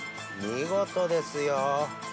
見事ですよ。